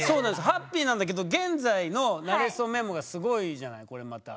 ハッピーなんだけど現在の「なれそメモ」がすごいじゃないこれまた。